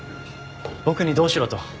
僕にどうしろと？